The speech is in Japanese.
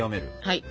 はい！